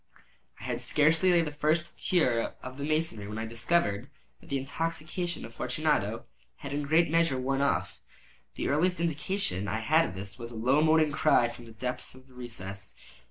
I had scarcely laid the first tier of my masonry when I discovered that the intoxication of Fortunato had in a great measure worn off. The earliest indication I had of this was a low moaning cry from the depth of the recess.